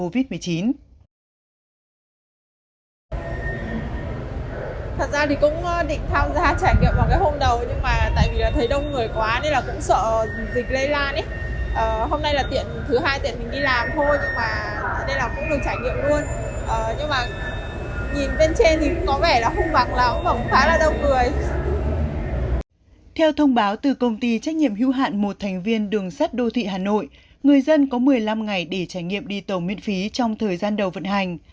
vì trách nhiệm hữu hạn một thành viên đường sắt đô thị hà nội người dân có một mươi năm ngày để trải nghiệm đi tàu miễn phí trong thời gian đầu vận hành